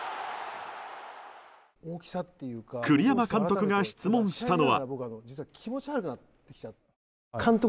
栗山監督が質問したのは。